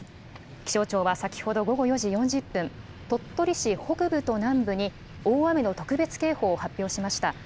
気象庁は先ほど午後４時４０分、鳥取市北部と南部に、大雨の特別警報を発表しました。